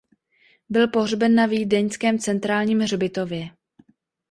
Byl pohřben na vídeňském Centrálním hřbitově.